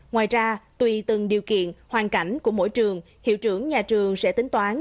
ngoài ra tùy từng điều kiện hoàn cảnh của mỗi trường hiệu trưởng nhà trường sẽ tính toán